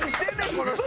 この人！